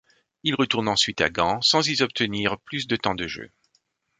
Il retourne ensuite à Gand, sans y obtenir plus de temps de jeu.